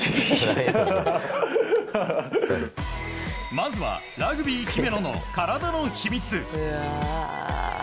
まずは、ラグビー姫野の体の秘密。